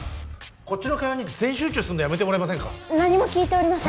こっちの会話に全集中すんのやめてもらえませんか何も聞いておりません